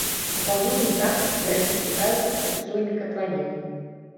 На паўднёвым захадзе берагі зліваюцца са схіламі катлавіны.